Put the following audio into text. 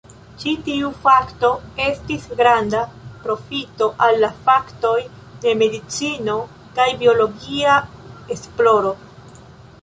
Ĉi tiu fakto estis granda profito al la faktoj de medicino kaj biologia esploro.